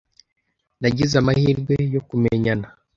Nagize amahirwe yo kumenyana.